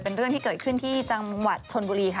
เป็นเรื่องที่เกิดขึ้นที่จังหวัดชนบุรีค่ะ